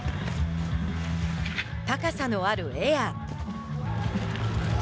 高さのあるエア。